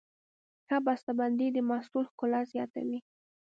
ښه بسته بندي د محصول ښکلا زیاتوي.